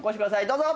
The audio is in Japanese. どうぞ！